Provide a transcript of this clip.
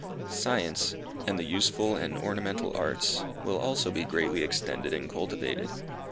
Science, and the useful and ornamental arts, will also be greatly extended and cultivated.